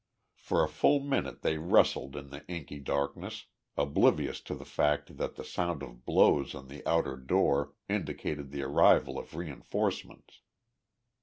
For a full minute they wrestled in the inky darkness, oblivious to the fact that the sound of blows on the outer door indicated the arrival of reinforcements.